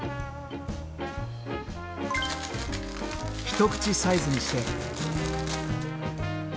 一口サイズにして。